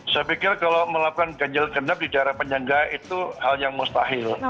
saya pikir kalau melakukan ganjil genap di daerah penyangga itu hal yang mustahil